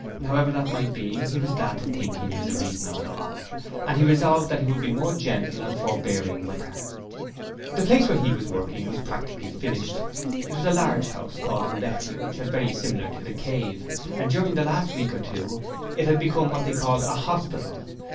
However that might be, he was glad to think he knew the reason of it all, and he resolved that he would be more gentle and forebearing with her. The place where he was working was practically finished. It was a large house called 'The Refuge', very similar to 'The Cave', and during the last week or two, it had become what they called a 'hospital'.